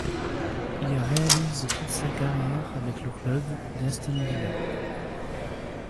Il réalise toute sa carrière avec le club d'Aston Villa.